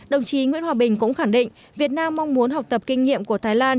đồng chí nguyễn hòa bình cũng khẳng định việt nam mong muốn học tập kinh nghiệm của thái lan